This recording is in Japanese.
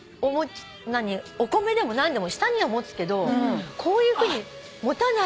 お米でも何でも下には持つけどこういうふうに持たないから。